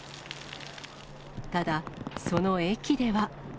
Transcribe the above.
ただ、その駅では。